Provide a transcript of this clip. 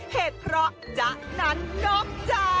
เหตุเพราะจ๊ะนั้นนอกใจ